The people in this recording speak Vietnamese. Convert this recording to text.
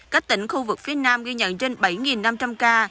các tỉnh khu vực phía nam ghi nhận trên bảy năm trăm linh ca